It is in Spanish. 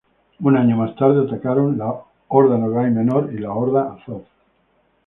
Un año más tarde atacaron la Horda Nogai Menor y la Horda Azov.